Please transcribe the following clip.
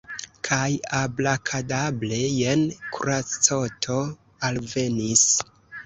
Kaj abrakadabre – jen kuracoto alvenis.